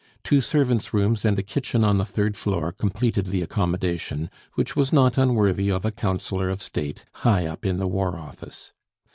Two servants' rooms and a kitchen on the third floor completed the accommodation, which was not unworthy of a Councillor of State, high up in the War Office.